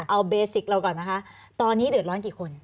เอาเบสิกเราก่อนนะคะตอนนี้เดือดร้อนกี่คน